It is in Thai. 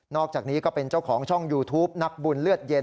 อกจากนี้ก็เป็นเจ้าของช่องยูทูปนักบุญเลือดเย็น